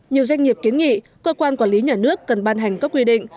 nhiều doanh nghiệp kiến nghị cơ quan quản lý nhà nước cần ban hành các quy định